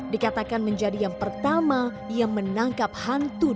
dikatakan menjadi yang pertama yang mencari penampilan yang menarik